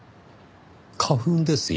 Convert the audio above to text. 花粉ですよ。